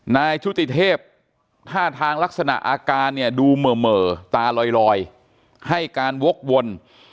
ชุติเทพท่าทางลักษณะอาการเนี่ยดูเหม่อตาลอยให้การวกวน